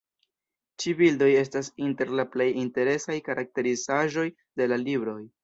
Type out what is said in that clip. Ĉi-bildoj estas inter la plej interesaj karakterizaĵoj de la libroj.